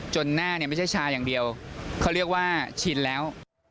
หน้าเนี่ยไม่ใช่ชาอย่างเดียวเขาเรียกว่าชินแล้ว